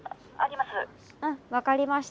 うん分かりました。